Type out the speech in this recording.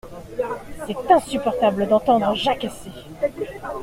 C’est insupportable d’entendre jacasser…